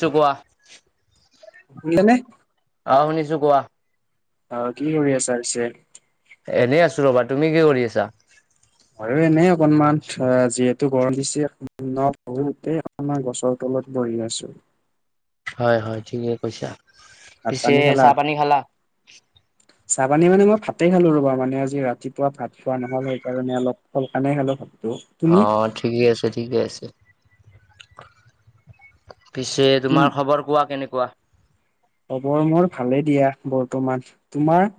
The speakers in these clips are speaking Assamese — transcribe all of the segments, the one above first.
টো কোৱা? নিলে নে? অ' শুনিছো, কোৱা? অ' কি কৰি আছা পিছে? এনেই আছো ৰ'বা, তুমি কি কৰি আছা? আৰু এনেই অকনমান অ' যিহেতু গৰম দিছে বহুতে আমাৰ গছৰ তলত বহি আছো। হয়, হয় ঠিকে কৈছা। ভাত পিছে পানী খালা? চাহ পানী খালা? চাহ পানী মানে মই ভাতে খালো ৰ'বা মানে আজি ৰাতিপুৱা ভাত খোৱা নহ'ল, সেই কাৰণে আজি সোনকালে খালো। তটো [unintelligible] অ' ঠিকেই আছে ঠিকে আছে। পিছে তুম তোমাৰ খবৰ কোৱা কেনেকুৱা? খবৰ মোৰ ভালে দিয়া বৰ্তমান। তোমাৰ?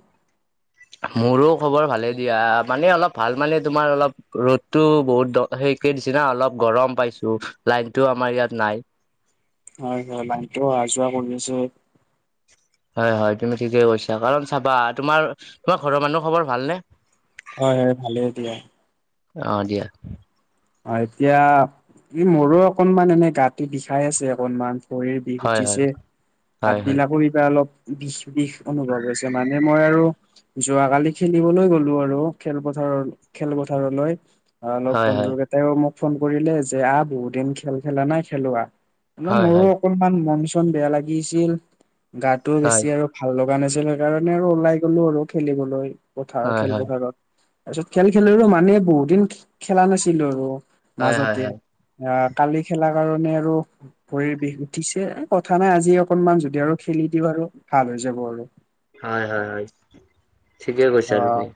মোৰো খবৰ ভালে দিয়া, মানে অলপ ভাল মানে তোমাৰ অলপ ৰ'দতটো বহুত সেকে দিছে না অলপ গৰম পাইছো, লাইনতটো আমাৰ ইয়াত নাই। হয়, হয় লাইনটো অহা যোৱা কৰি আছে। হয়, হয় তুমি ঠিকে কৈছা কাৰণ চাবা তোমাৰ তোমাৰ ঘৰৰ মানুহ খবৰ ভালনে? হয়, হয় ভালে দিয়া। অ' দিয়। অ' এতিয়া ই মোৰো অকনমান এনে গাটো বিষাই আছে অকনমান। ভৰিৰ বিষ হয়, হয়, উঠিছে, হাত হয়, হয়। বিলাকো কিবা অলপ বিষ বিষ অনুভৱ হৈছে, মানে মই আৰু যোৱাকালি খেলিবলৈ গ'লো আৰু খেলপথাৰৰ খেলপথাৰলৈ। অলপ হয়, হয়, বন্ধুকেইটাইও মোক ফোন কৰিলে যে আহ বহুত দিন খেল খেলা নাই খেলো আহ। ম হয়, মোৰো হয়, অকনমান মন চন বেয়া লাগিছিল গাটোও হয়, বেছি আৰু ভাল লগা নাছিল সেইকাৰণে আৰু ওলাই গ'লো আৰু খেলিবলৈ পথাৰ হয়, হয়, হয়, খেলপথাৰত। তাৰ পিছত খেল খেলিলো মানে বহুত দিন খেলা নাছিলো, আৰু হয়, হয়, মাজতে হয়, অ' কালি খেলা কাৰণে আৰু ভৰিৰ বিষ উঠিছে, কথা নাই আজি অকনমান যদি আৰু খেলি দিওঁ আৰু ভাল হৈ যাব আৰু। হয়, হয়, হয় ঠিকে কৈছা অ আৰু তুমি।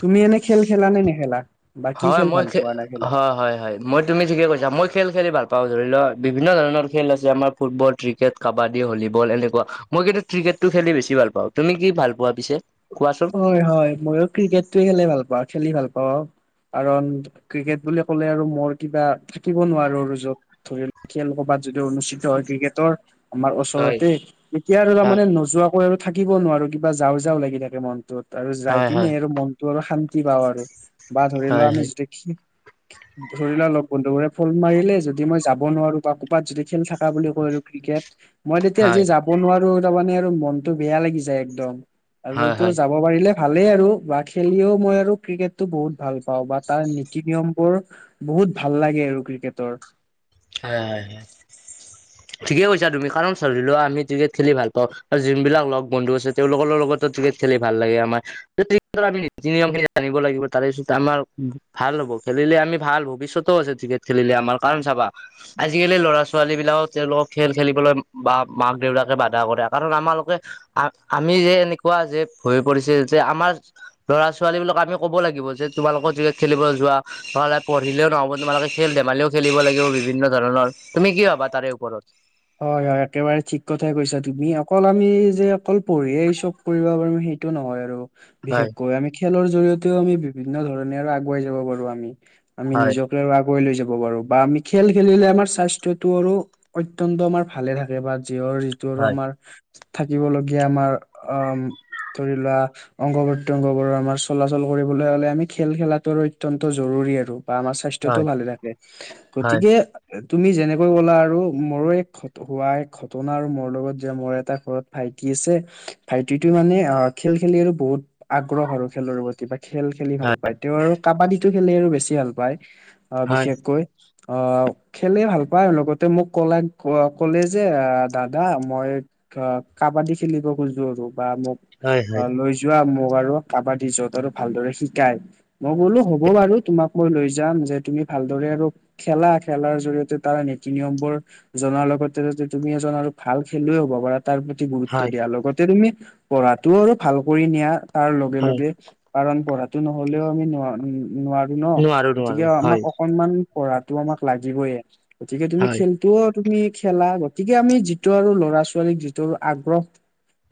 তুমি এনে খেল খেলা নে নেখেলা? বা কি হয়, খেল মই ভাল পোৱা এনে খেলি হয়, হয়, হয়। মই তুমি ঠিকে কৈছা মই খেল খেলি ভাল পাওঁ, ধৰি লোৱা বিভিন্ন ধৰণৰ খেল আছে আমাৰ ফুটবল, ক্ৰিকেট কাবাডী, ভলীবল এনেকুৱা, মই কিন্তু ক্ৰিকেটটো খেলি বেছি ভাল পাওঁ, তুমি কি ভাল পোৱা পিছে কোৱাচোন? হয়, হয় মইয়ো ক্ৰিকেটোয়ে খেলি ভাল পাওঁ খেলি ভাল পাওঁ অ'। কাৰণ ক্ৰিকেট বুলি ক'লে আৰু মোৰ কিবা থাকিব নোৱাৰো ৰ য'ত। ধৰি লওক খেল ক'ৰবাত যদি অনুষ্ঠিত হয় ক্ৰিকেটৰ আমাৰ হয়। ওচৰতে, তেতিয়া আৰু তাৰ হয় মানে নোযোৱাকৈ আৰু থাকিব নোৱাৰো কিবা যাও যাওঁ লাগি থাকে মনটোত। আৰু যাই হয় কিনে হয় আৰু মনটো আৰু শান্তি পাওঁ আৰু, বা ধৰি লোৱা হয় আমি হয়। যদি ধৰি লোৱা অলপ বন্ধুবোৰে ফোন মাৰিলে যদি মই যাব নোৱাৰো বা ক'ৰবাত যদি খেল থাককা বুলি কৈলো ক্ৰিকেট মই তেতিয়া হয় যে যাব নোৱাৰো তাৰমানানে আৰু মনতটো বেয়া লাগি যায় একদম। আৰু হয় হয় ব পাৰিলে ভালেই আৰু বা খেলিও মই আৰু ক্ৰিকেটটো বহুত ভাল পাওঁ, বা তাৰ নীতি নিয়ম বোৰ বহুত ভাল লাগে আৰু ক্ৰিকেটৰ। হয়, হয়, হয়। [inaudible] ঠিকেই কৈছা তুমি, কাৰণ আমি ক্ৰিকেট খেলি ভাল পাওঁ, আৰু যোনবিলাক লগ বন্ধু আছে তেওঁলোকৰ লগতো ক্ৰিকেট খেলি ভাল লাগে আমাৰ। আমি নীতি নিয়ম খিনি জানিব লাগিব, তাৰে পিছত আমাৰ ভাল হ'ব, খেলিলে আমি ভাল ভৱিষ্যতেও আছে ক্ৰিকেট খেলিলে আমাৰ কাৰণ চাবা আজিকালি ল'ৰা ছোৱালী বিলাকক তেওঁলোকক খেল খেলিবলৈ, বা মাক দেউতাকে বাধা কৰে, কাৰণ আমাৰলোকে আ, আমি যে এনেকুৱা যে হৈ পৰিছে যে আমাৰ ল'ৰা ছোৱালী বিলাকক আমি ক'ব লাগিব, যে তোমালোকৰ খেলিব যোৱা। পঢ়িলে নহ'ব তোমালোকে খেল ধেমালিও খেলিব লাগিব। বিভিন্ন ধৰণৰ, তুমি কি ভাবা তাৰে ওপৰত। হয়, হয় একেবাৰে ঠিক কথাই কৈছা তুমি, অকল আমি যে অকল পঢ়িয়ে চব কৰিব পাৰিম সেইটো নহয় আৰু। হয় বিশেষকৈ, আমি খেলৰ জৰিয়তেও আমি বিভিন্ন ধৰণে আৰু আগুৱাই যাব পাৰো আমি, আমি হয় নিজক আগুৱাই লৈ যাব পাৰো, বা আমি খেল খেলিলে আমাৰ স্বাস্থ্য টো আৰু আমাৰ ভালে থাকে বা যিহৰ যিটো আৰু হয় আমাৰ থাকিবলগীয়া আমাৰ, অ' ধৰি লোৱা অংগ বংগ বোৰৰ আমাৰ চলাচল কৰিবলৈ হ'লে, আমি খেল খেলাটোৰ অত্যন্ত জৰুৰী আৰু বা আমাৰ। স্বাস্থ্যতো হয় ভালে থাকে, হয় গতিকে তুমি যেনেকৈ ক'লা আৰু মোৰো এক হোৱা এক ঘটনা, আৰু মোৰ লগত যে মোৰ এটা ঘৰত ভাইটি আছে ভাইটিটোৱ মানে অ' খেল খেলি আৰু বহুত আগ্ৰহ আৰু, খেলৰ প্ৰতি খেল খেলি ভাল পায়, তেওঁ আৰু কাবাডীটো খেলি আৰু বেছি ভাল পায়, আহ হয় বিশেষকৈ অ', খেলে ভাল পায়, লগতে মোক কলাক, ক'লে যে দাদা মই অ' কাবাডী খেলিব খোজো, আৰু বা মোক হয় হয় হয় অ', লৈ যোৱা মোক আৰু, কাবাডী য'ত আৰু ভালদৰে শিকাই। মই ব'লো হ'ব বাৰু, তোমাক মই লৈ যাম যে তুমি ভালদৰে আৰু খেলা, খেলাৰ জৰিয়তে তাৰ নীতি নিয়মবোৰ জনাৰ লগতে যদি তুমি এজন আৰু ভাল খেলুৱৈে হ'ব পাৰা, তাৰ প্ৰতি গুৰুত্ব হয় দিয়া, লগতে তেয়া তুমি পঢ়াটো আৰু ভাল কৰি নিয়া, তাৰ হয় লগে-লগে কাৰণ পঢ়াটো নহ'লেও আমি নোৱাৰ নোৱাৰো ন' নোৱাৰো নোৱাৰো গতিকে হয় আমাক অকনমান পঢ়াটো আমাক লাগিবইয়ে, গতিকে তুমি হয় খেল টো তুমি খেলা, গতিকে আমি যিটো আৰু ল'ৰা ছোৱালীক যিটো আৰু আগ্ৰহ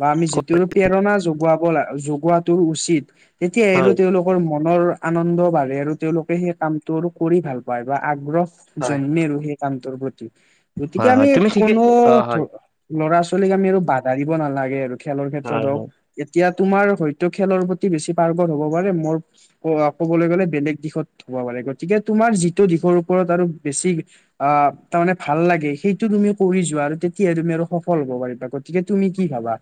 বা আমি যিটো প্ৰেৰণা জগাব, জগোৱাটো উচিত, তেতিয়া আৰু হয় তেওঁলোক মনৰ আনন্দ বাঢ়ে, আৰু তেওঁলোকে সেই কামটো কৰি ভাল পায় বা আগ্ৰহ হয় হয় জন্মে আৰু সেই কামটোৰ প্ৰতি, গতিকে হয় আমি তুমি ঠিকে কোনো অ হয় ধৰণৰ ল'ৰা ছোৱালীক আমি আৰু বাধা দিব নালাগে আৰু, খেলৰ ক্ষেত্ৰত হয় হওঁক, হয় এতিয়া তোমাৰ হয়তো খেলৰ প্ৰতি বেছি পাৰ্গত হব পাৰে, মোৰ অ' ক'বলৈ গ'লে বেলেগ দিশত হ'ব পাৰে, গতিকে তোমাৰ যিটো দিশৰ ওপৰত আৰু বেছি অ'। তাৰমানে ভাল লাগে, সেইটো তুমি কৰি যোৱা আৰু তেতিয়া তুমি আৰু সফল হ'ব পাৰিবা, গতিকে তুমি কি ভাবা?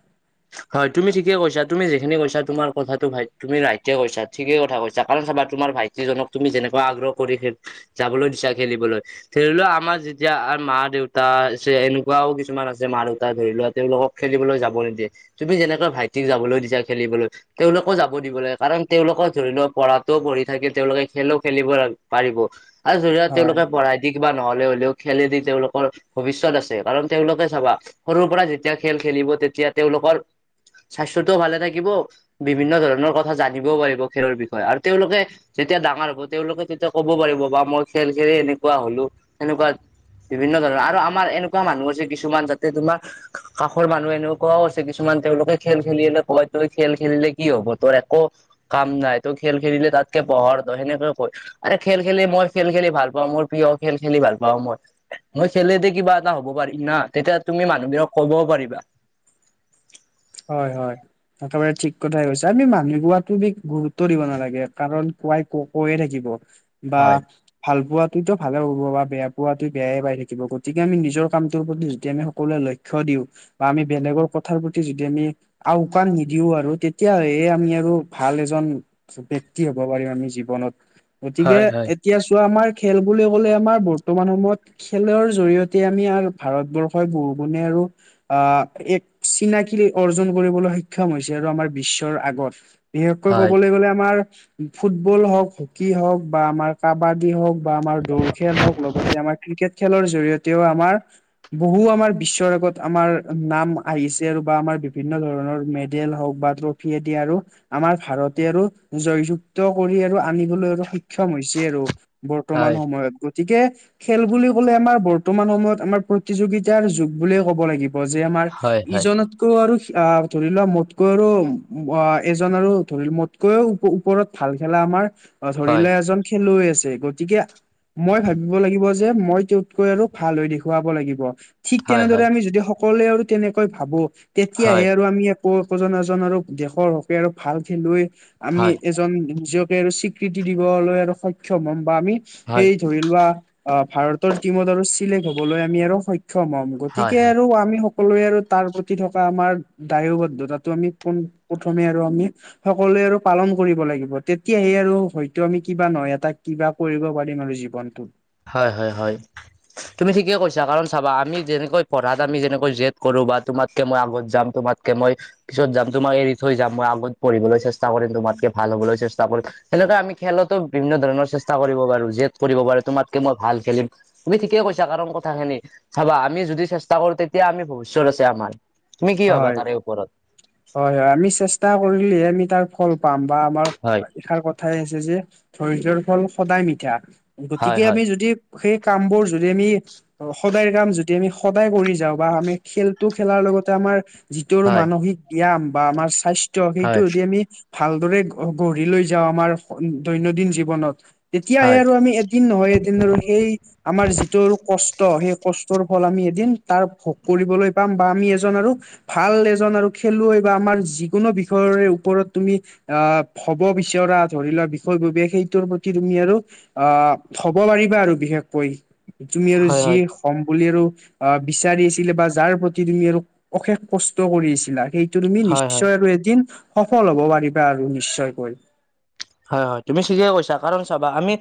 হয় তুমি ঠিকে কৈছা, তুমি যিখিনি কৈছা, তোমাৰ কথাটো ভাই তুমি ৰাইটকে কৈছা, ঠিকেই কথা কৈছা, কাৰণ চাবা তোমাৰ ভাইটি যিজনক তুমি যেনেকুৱা, আগ্ৰহ কৰি খেলি যাবলৈ দিছা খেলিবলৈ ধৰি লোৱা আমাৰ যেতিয়া মা দেউতা আছে, এনেকুৱাও কিছুমান আছে মা দেউতা, ধৰি লোৱা তেওঁলোকক খেলিবলৈ যাব নিদিয়ে তুমি যেনেকৈ ভাইটিক যাবলৈ দিছা খেলিবলৈ। তেওঁলোকও যাব দিব লাগে কাৰণ তেওঁলোকৰ ধৰি লওক পঢ়াটোও পঢ়ি থাকে তেওঁলোকে খেলো খেলিব [unintelligible] পাৰিব। আৰু [unintelligible] হয়, তেওঁলোকে পঢ়ায়। দিশ বা নহ'লে হ'লেও খেলেদি তেওঁলোকৰ ভৱিষ্যত আছে কাৰণ তেওঁলোকে চাবা। সৰুৰ পৰা যেতিয়া খেল খেলিব তেতিয়া তেওঁলোকৰ স্বাস্থ্যটোও ভালে থাকিব। বিভিন্ন ধৰণৰ কথা জানিবও পাৰিব খেলৰ বিষয়ে আৰু তেওঁলোকে। যেতিয়া ডাঙৰ হ'ব তেওঁলোকে তেতিয়া ক'ব পাৰিব বা মই খেল খেলি এনেকুৱা হ'লো তেনেকুৱা। বিভিন্ন ধৰণৰ আৰু আমাৰ এনেকুৱা মানুহ আছে কিছুমান যাতে তোমাৰ কাষৰ মানুহ এনেক কোৱা আছে কিছুমান তেওঁলোকে খেল খেলিলে কয় তই খেল খেলিলে কি হ'ব তোৰ একো। কাম নাই তই খেল খেলিলে তাতকে পঢ় সেনেকে কয়। আৰে খেল খেলি মই খেল খেলি ভাল পাওঁ মোৰ প্ৰিয় খেল খেলি ভাল পাওঁ মই। মই খেলেদি কিবা এটা হ'ব পাৰিম না তেতিয়া তুমি মানুহবোৰক ক'বও পাৰিবা। হয়, হয়। একেবাৰে ঠিক কথাই কৈছা আমি মানুহ কোৱাত [unintelligible] গুৰুত্ব দিব নালাগে কাৰণ কোৱাই কওঁক। কৈয়ে থাকিব বা। হয় ভাল পোৱাততো ভালে হব বা বেয়া পোৱাটো বেয়াই পাই থাকিব গতিকে আমি নিজৰ কামটোৰ প্ৰতি যদি আমি সকলোৱে লক্ষ [unintelligible] দিওঁ বা আমি বেলেগৰ কথাৰ প্ৰতি যদ যদি আমি আওকাণ নিদিও আৰু তেতিয়াহে আমি আৰু ভাল এজন। ব্যক্তি হ'ব পাৰিম আমি জীৱনত গতিকে হয় এত হয় এতিয়া চোৱা আমাৰ খেল বুলিবলৈ আমাৰ বৰ্তমান সময়ত। খেলৰ জৰিয়তে আমি আৰ ভাৰতবৰ্ষই বহু গুণে আৰু। অ এক চিনা। [unintelligible] অৰ্জন কৰিবলৈ সক্ষম হৈছে আৰু আমাৰ বিশ্বৰ আগত বিশেষকৈ হয় ক'বলৈ গ'লে আমাৰ। ফুটবল হওক হকী হওক বা আমাৰ কাবাডী হওক বা আমাৰ দৌৰ খেল হওক লগত আমাৰ ক্ৰিকেট খেলৰ জৰিয়তেও আমাৰ। বহু আমাৰ বিশ্বৰ আগত আমাৰ নাম আহিছে আৰু বা আমাৰ বিভিন্ন ধৰণৰ মেডেল হওক বা ট্ৰফিয়েদি আৰু। আমাৰ ভাৰতে আৰু জয়যুক্ত কৰি আৰু আনিবলৈ আৰু সক্ষম হৈছে আৰু। বৰ্তমান হয় সময়ত গ গতিকে খেল বুলিবলৈ আমাৰ বৰ্তমান সময়ত আমাৰ প্ৰতিযোগিতাৰ যুগ বুলিয়ে ক'ব লাগিব যে আমাৰ হয় হয় ইজনতকৈ আৰু। আ ধৰি লোৱা মোতকৈ আৰু আ এজন আৰু ধৰি মোতকৈও ওপ-ওপৰত। ভাল খেলা আমাৰ ধৰি হয় লোৱা এজন খেলুৱৈ আছে গতিকে। মই ভাৱিব লাগিব যে মই তেওঁতকৈ আৰু ভাল হৈ দেখুৱাব লাগিব। ঠিক হয় তেনেদৰে হয় আমি যদি সকলোৱে আৰু তেনেকৈ ভাবোঁ হয় তেতিয়াহে আৰু আমি। [unintelligible] এজন আৰু দেশৰ হকে আৰু ভাল খেলুৱৈ আমি হয় এজন নিজকে আৰু চিক কৃতি দিবলৈ আৰু সক্ষম হ'ম বা আমি হয় সেই ধৰি লোৱা। অ ভাৰতৰ টিমত আৰু চিলেক্ট হ'বলৈ আমি আৰু সক্ষম হম হয় গতিকে হয় আৰু আমি। সকলোৰে আৰু তাৰ প্ৰতি থকা আমাৰ দায়বদ্ধতাটো আমি পোন প্ৰথমে আৰু আমি। সকলোৱে আৰু পালন কৰিব লাগিব তেতিয়াহে আৰু হয়তো আমি কিবা নহয় এটা কিবা। কৰিব পাৰিম আৰু জীৱনটো। হয়, হয়, হয়। তুমি ঠিকে কৈছা কাৰণ চাবা আমি যেনেকৈ পঢ়াত আমি যেনেকৈ জেদ কৰোঁ বা তোমাতকে মই আগত যাম তোমাত কে মই পিছত যাম তোমাক এৰি থৈ যাম মই আগত পঢ়িবলৈ চেষ্টা কৰিম তোমাতকে ভাল হ'বলৈ চেষ্টা কৰিম। তেনেকে আমি খেলতো বিভিন্ন ধৰণৰ চেষ্টা কৰিব পাৰোঁ জেদয কৰিব পাৰোঁ তোমাতকে মই ভাল খেলিম। তুমি ঠিকেই কৈছা কাৰণ কথাখিনি, চাবা আমি যদি চেষ্টা কৰোঁ তেতিয়া আমি, ভৱিষ্যত আছে আমাৰ। তুমি কি ভাবা হয় তাৰে ওপৰত? হয়, হয়, আমি চেষ্টা কৰিলেহ আমি তাৰ ফল পাম বা আমাৰ হয় ইষাৰ কথা কথাই আছে যে, ধৈৰ্য্যৰ ফল সদায় মিঠা, হয় গতিকে হয় আমি যদি সেই কাম বোৰ যদি আমি, সদায়ৰ কাম যদি আমি সদায় কৰি যাওঁ বা আমি খেল টো খেলাৰ লগতে, আমাৰ যিটো হয় মানসিক ব্যায়ায়াম বা আমাৰ স্বাস্থ্য সেইটো হয় যদি আমি ভালদৰে গঢ়ি লৈ যাওঁ আমাৰ দৈনন্দিন জীৱনত, তেতিয়াহে হয় আৰু আমি এদিন নহয় এদিন আৰু সেই আমাৰ যিটো কষ্ট, সেই কষ্টৰ ফল আমি এদিন, তাৰ ভোগ কৰিবলৈ পাম বা আমি এ এজন আৰু, ভাল এজন আৰু খেলুৱৈ বা আমাৰ যিকোনো বিষয়ৰে ওপৰত তুমি আহ, হ'ব বিচৰা ধৰি লোৱা, বিষয়ববীয়া, সেইটোৰ প্ৰতি তুমি আৰু অ', হ'ব পাৰিবা আৰু বিশেষকৈ। তুমি আৰু হয় যি হয় হ'ম বুলি আৰু, অ' বিচাৰি আছিলে বা যাৰ প্ৰতি তুমি আৰু অশেষ কষ্ট কৰি আছিলা, সেইটো তুমি হয় হয় নিশ্চয় আৰু এদিন সফল হ'ব পাৰিবা আৰু নিশ্চয়কৈ। হয় হয়, তুমি ঠিকে কৈছা, কাৰণ চাবা আমি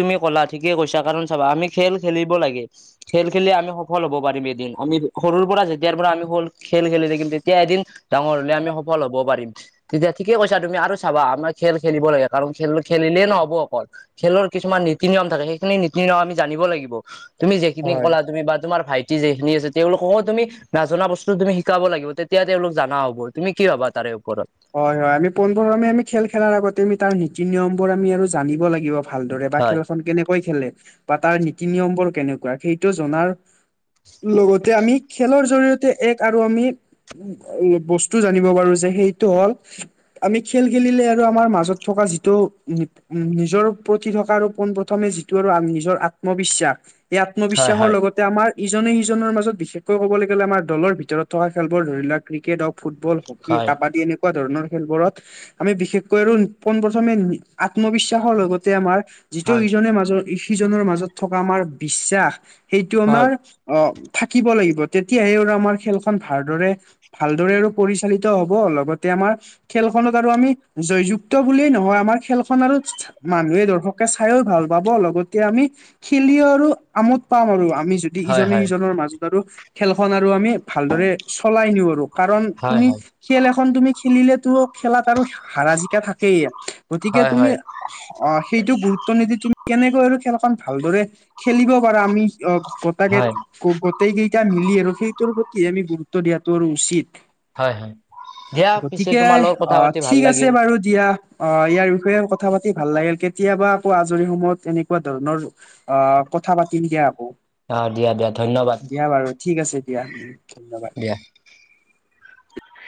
তুমি ক'লা ঠিকে কৈছা, কাৰণ চাবা আমি খেল খেলিব লাগে। খেল খেলি আমি সফল হ'ব পাৰিম এদিন, আমি সৰুৰ পৰা, যেতিয়াৰ পৰা আমি হ'ল খেল খেলি থাকিম তেতিয়া এদিন ডাঙৰ হ'লে আমি সফল হ'ব পাৰিম, তেতিয়া ঠিকে কৈছা, তুমি আৰু চাবা আমাৰ খেল খেলিব লাগে, কাৰণ খেল খেলিলেই নহ'ব অকল খেলৰ কিছুমান নীতি, নিয়ম থাকে সেইখিনি নীতি নিয়ম আমি জানিব লাগিব। তুমি যিখিনি হয় ক'লা, তুমি বা তোমাৰ ভাইটি যখিনি আছে তেওঁলোককো তুমি নাজনা বস্তু তুমি শিকাব লাগিব, তেতিয়া তেওঁলোক জানা হ'ব, তুমি কি ভাবা তাৰে ওপৰত? হয় হয়, আমি পোনপ্ৰথমে আমি খেল খেলাৰ আগতে, আমি তাৰ নীতি নিয়ম বোৰ আমি আৰু জানিব লাগিব। ভালদৰে বা হয় খেলখন কেনেকৈ খেলে বা তাৰ নীতি নিয়ম বোৰ কেনেকুৱা, সেইটো জনাৰ লগতে আমি, খেলৰ জৰিয়তে এক আৰু আমি উম, বস্তু জানিব পাৰো যে, সেইটো হ'ল আমি খেল খেলিলে আৰু আমাৰ মাজত থকা যিটো উম, নিজৰ প্ৰতি থকা, আৰু পোন প্ৰথমে যিটো আৰু নিজৰ আত্মবিশ্বাস এই হয় আত্মবিশ্বাসৰ হয় লগত এতিয়া আমাৰ ইজনে সিজনৰ মাজত বিশেষকৈ ক'বলৈ গ'লে, আমাৰ দলৰ ভিতৰত থকা খেলবোৰ ধৰি লোৱা, ক্ৰিকেট হওঁক, ফুটবল হওঁক, কি, হয় কাবাডী এনেকুৱা ধৰণৰ খেলবোৰত আমি বিশেষকৈ আৰু পোনপ্ৰথমে আত্মবিশ্বাসৰ লগতে আমাৰ যিটো হয় ইজনে মাজত, সিজনৰ মাজত থকা আমাৰ বিশ্বাস, সেইটো হয় আমাৰ অ', থাকিব লাগিব, তেতিয়াহে আৰু আমাৰ খেলখন ভালদৰে ভালদৰে আৰু পৰিচালিত হ'ব অলপ। আগতে আমাৰ, খেলখনত আৰু আমি জয়যুক্ত বুলিয়েই নহয় আমাৰ খেলখন আৰু মানুহে দৰ্শক চাইও ভাল পাব, লগতে আমি খেলিও আৰু আমোদ পাম আৰু আমি দি, হয় হয় ইজনে-সিজনৰ মাজত আৰু, খেলখন আৰু আমি ভালদৰে চলাই নিওঁ আৰু। কাৰণ, হয় তুমি হয় খেল এখন তুমি খেলিলেতো খেলাত আৰু হাৰা জিকা থাকেই। গতিকে হয় তুমি হয় অ' সেইটো গুৰুত্ব নিদি তুমি কেনেকৈ আৰু খেলখন ভালদৰে খেলিব পাৰা, আমি অ', গোটেকে হয় গোটেই কেইটা মিলি আৰু সেইটোৰ প্ৰতি আমি, গুৰুত্ব দিয়াাটো আৰু উচিত। হয়, হয়। দিয়া পিছে গতিকে, তোমাৰ লগত কথা অহ। পাতি ভাল ঠিক আছে লাগিল বাৰু দিয়া। অহ। ইয়াৰ বিষয়ে কথা পাতি ভাল লাগিল। কেতিয়াবা আকৌ আজৰি সময়ত এনেকুৱা ধৰণৰ অহ। কথা পাতিম দিয়া আকৌ। অ দিয়া। দিয়া। ধন্যবাদ। দিয়া বাৰু। ঠিক আছে দিয়া। ধন্যবাদ। দিয়া।